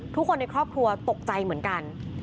ทุกคนในครอบครัวตกใจเหมือนกัน